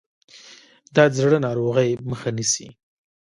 دا د زړه ناروغۍ مخه نیسي.